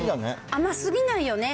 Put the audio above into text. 甘すぎないよね。